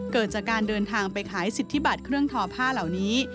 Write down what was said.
เกิดจากการเดินทางไปขายสิทธิบัตรเครื่องทอผ้าเหล่านี้